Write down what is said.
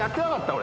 俺。